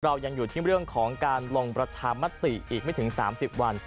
เรายังอยู่ที่เรื่องของการลงประชามติอีกไม่ถึง๓๐วัน